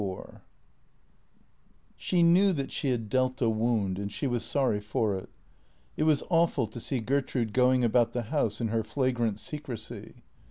LIV SHE knew that she had dealt a wound, and she was sorry for it. It was awful to see Gertrude going about the house in her flagrant secrecy.